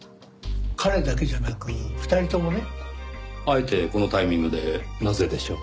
彼だけじゃなく２人ともね。あえてこのタイミングでなぜでしょう？